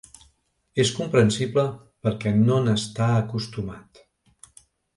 És comprensible, perquè no n’està acostumat.